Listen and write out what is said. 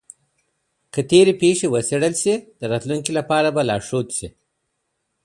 که تېري پېښې وڅېړل سي د راتلونکي لپاره به لارښود سي.